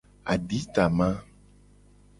Aditama.